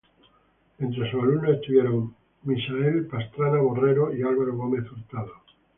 Entre sus alumnos estuvieron Misael Pastrana Borrero y Álvaro Gómez Hurtado.